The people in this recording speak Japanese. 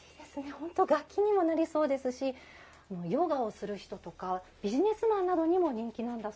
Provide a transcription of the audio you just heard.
本当楽器にもなりそうですしヨガをする人とかビジネスマンなどにも人気なんだそうです。